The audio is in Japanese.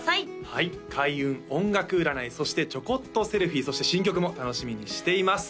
はい開運音楽占いそしてちょこっとセルフィーそして新曲も楽しみにしています